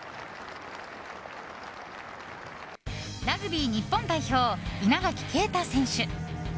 ラグビー日本代表稲垣啓太選手。